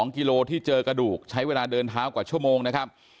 กิโลที่เจอกระดูกใช้เวลาเดินเท้ากว่าชั่วโมงนะครับ